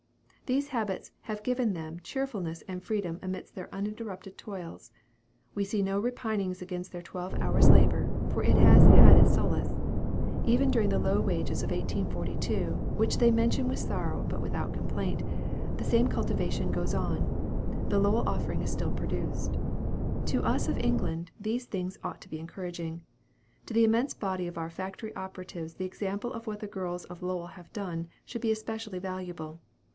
These habits have given them cheerfulness and freedom amidst their uninterrupted toils. We see no repinings against their twelve hours' labor, for it has had its solace. Even during the low wages of 1842, which they mention with sorrow but without complaint, the same cultivation goes on; "The Lowell Offering" is still produced. To us of England these things ought to be encouraging. To the immense body of our factory operatives the example of what the girls of Lowell have done should be especially valuable.